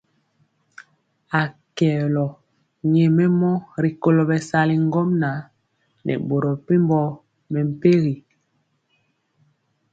Akɛolo nyɛmemɔ rikolo bɛsali ŋgomnaŋ nɛ boro mepempɔ mɛmpegi.